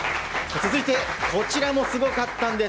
続いてこちらもすごかったんです。